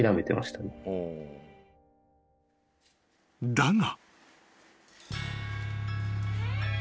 ［だが］